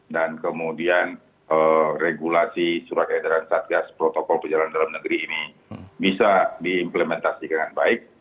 dan kemudian regulasi surat edaran satgas protokol penjaraan dalam negeri ini bisa diimplementasi dengan baik